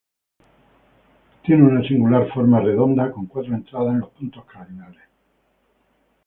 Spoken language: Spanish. Tiene una singular forma redonda, con cuatro entradas en los puntos cardinales.